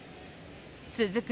続く